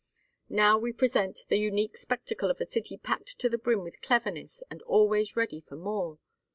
Now we present the unique spectacle of a city packed to the brim with cleverness and always ready for more.